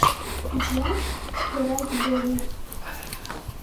І плач штораз болей.